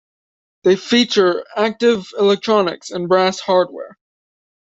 They feature active electronics and brass hardware.